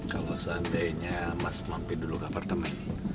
kalo seandainya emas mampi dulu ke apartemen